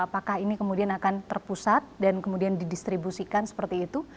apakah ini kemudian akan terpusat dan kemudian didistribusikan seperti itu